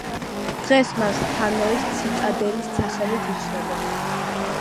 დღეს მას ჰანოის ციტადელის სახელით იცნობენ.